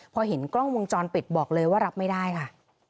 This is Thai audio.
พอเห็นกล้องวงจรปิดบอกเลยว่ารับไม่ได้ค่ะ